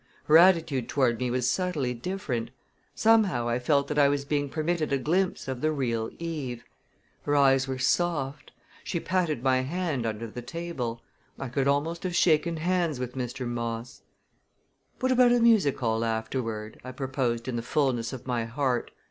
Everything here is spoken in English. Her attitude toward me was subtly different. Somehow I felt that I was being permitted a glimpse of the real Eve. Her eyes were soft; she patted my hand under the table. I could almost have shaken hands with Mr. Moss! "What about a music hall afterward?" I proposed in the fullness of my heart.